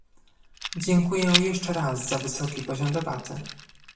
Dziękuję jeszcze raz za wysoki poziom debaty